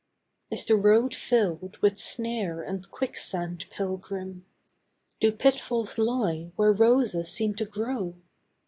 Is the road filled with snare and quicksand, pilgrim? Do pitfalls lie where roses seem to grow?